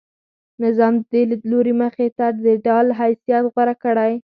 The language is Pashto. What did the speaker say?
نظام د دې لیدلوري مخې ته د ډال حیثیت غوره کړی.